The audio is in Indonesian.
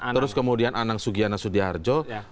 terus kemudian anang sugiono sugiono